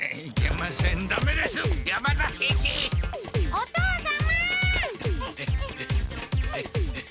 お父様！